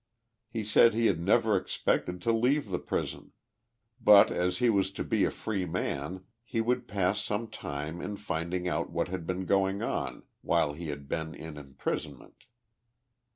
— He said he had never expected to leave the prison, but as he was to be a tree man he would pass some time in finding out what had been going on while he had been in imprisonment.